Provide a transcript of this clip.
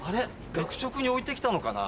学食に置いてきたのかな？